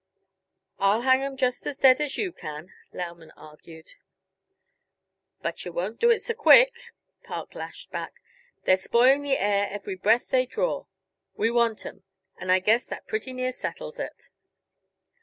"I'll hang 'em just as dead as you can," Lauman argued. "But yuh won't do it so quick," Park lashed back. "They're spoiling the air every breath they draw. We want 'em, and I guess that pretty near settles it."